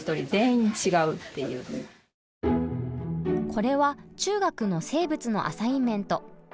これは中学の生物のアサインメント。